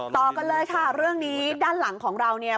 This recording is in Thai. ต่อกันเลยค่ะเรื่องนี้ด้านหลังของเราเนี่ย